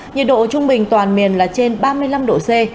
nhiệt độ trung bình toàn miền là trên ba mươi năm độ c